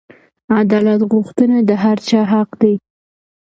عدالت غوښتنه د هر چا حق دی.